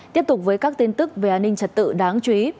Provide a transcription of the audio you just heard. tiếp tục với các tin tức về an ninh trật tự đáng chú ý